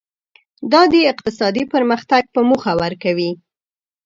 دا د اقتصادي پرمختګ په موخه ورکوي.